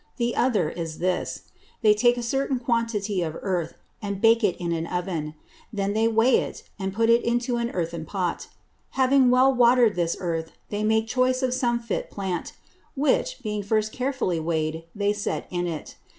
The other is this; they take a certain quantity of Earth, and bake it in an Oven; then they weigh it, and put it into an Earthen Pot. Having well water'd this Earth, they make choice of some fit Plant, which, being first carefully weigh'd, they set in it.